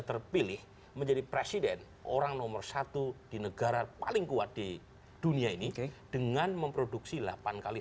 terpilih menjadi presiden orang nomor satu di negara paling kuat di dunia ini dengan memproduksi delapan kali